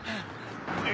え？